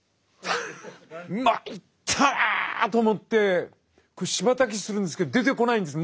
参ったと思ってこうしばたたきするんですけど出てこないんです。